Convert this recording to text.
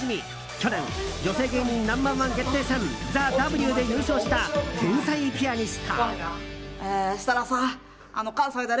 去年、女性芸人ナンバー１決定戦「ＴＨＥＷ」で優勝した天才ピアニスト。